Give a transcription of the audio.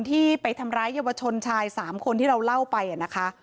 ที่ไปทำร้ายเยาวชนชาย๓คนที่เราเล่าไปนะคะ